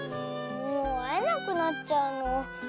もうあえなくなっちゃうの。